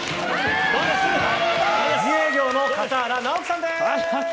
自営業の笠原直樹さんです。